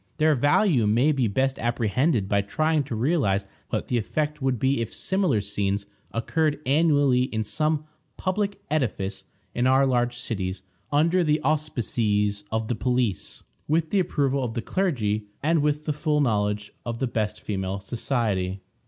Their value may be best apprehended by trying to realize what the effect would be if similar scenes occurred annually in some public edifice in our large cities, under the auspices of the police, with the approval of the clergy, and with the full knowledge of the best female society.